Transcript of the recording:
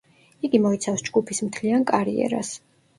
იგი მოიცავს ჯგუფის მთლიან კარიერას.